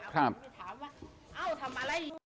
ถามว่าเอ้าทำอะไร